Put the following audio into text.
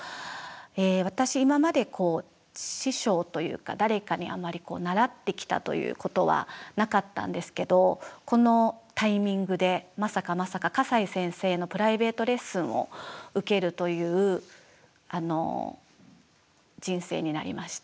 私今まで師匠というか誰かにあまり習ってきたということはなかったんですけどこのタイミングでまさかまさか笠井先生のプライベートレッスンを受けるという人生になりまして。